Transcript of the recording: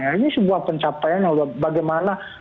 ini sebuah pencapaian